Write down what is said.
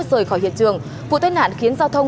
rời khỏi hiện trường vụ tai nạn khiến giao thông